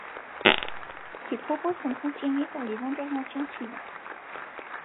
Ces propos sont confirmés par les interventions suivantes.